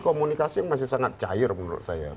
komunikasi yang masih sangat cair menurut saya